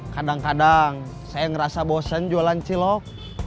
kadang kadang saya ngerasa bosen jualan cilok